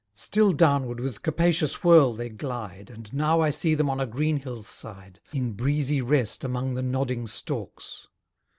Still downward with capacious whirl they glide, And now I see them on a green hill's side In breezy rest among the nodding stalks.